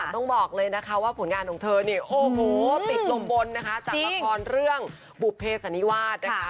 ต้องบอกเลยนะคะว่าผลงานของเธอเนี่ยโอ้โหติดลมบนนะคะจากละครเรื่องบุภเพสันนิวาสนะคะ